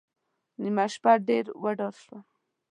نیمه شپه ډېر وډار شوم.